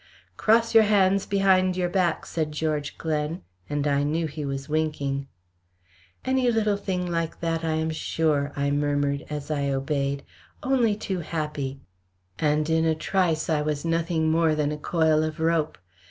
"Cross your hands behind your back," said George Glen, and I knew he was winking. "Any little thing like that, I am sure," I murmured, as I obeyed. "Only too happy," and in a trice I was nothing more than a coil of rope.